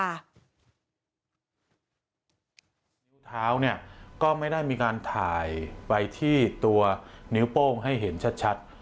นิ้วเท้าเนี่ยก็ไม่ได้มีการถ่ายไปที่ตัวนิ้วโป้งให้เห็นชัด